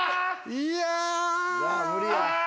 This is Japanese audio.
いや無理や。